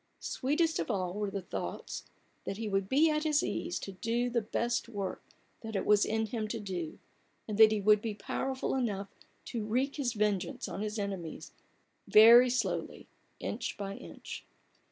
Sweetest of all were the thoughts, that he would be at his ease to do the best work that it was in him to do, and that he would be powerful enough to wreak his vengeance on his enemies very slowly, inch by inch.